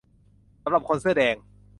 สำหรับคนเสื้อแดง